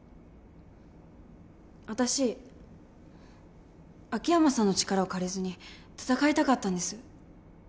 わたし秋山さんの力を借りずに戦いたかったんです。